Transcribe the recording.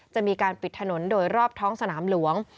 จะมีการปิดถนนโดยรอบท้องสนามหลวง